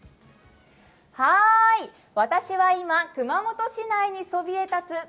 私は今、熊本市内にそびえたつ